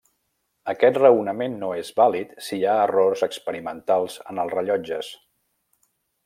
Aquest raonament no és vàlid si hi ha errors experimentals en els rellotges.